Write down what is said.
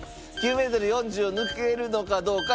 ９メートル４０を抜けるのかどうか。